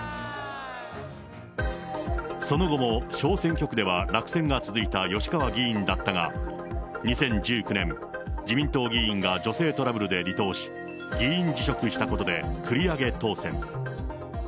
その後も小選挙区では落選が続いた吉川議員だったが、２０１９年、自民党議員が女性トラブルで離党し、議員辞職したことで繰り上げ当選。